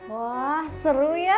wah seru ya